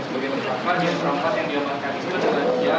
sebagian keempat yang diambalkan itu adalah